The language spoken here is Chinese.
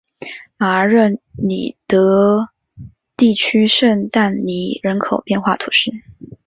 马尔热里德地区圣但尼人口变化图示